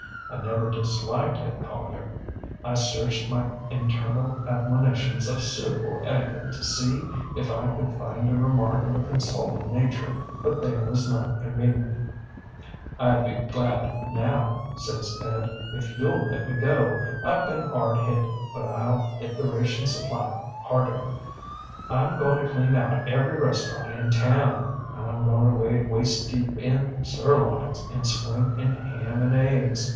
I never disliked Ed Collier. I searched my internal admonitions of suitable etiquette to see if I could find a remark of a consoling nature, but there was none convenient. ŌĆ£ŌĆśIŌĆÖd be glad, now, ŌĆÖ says Ed, ŌĆśif youŌĆÖll let me go. IŌĆÖve been hard hit, but IŌĆÖll hit the ration supply harder. IŌĆÖm going to clean out every restaurant in town. IŌĆÖm going to wade waist deep in sirloins and swim in ham and eggs.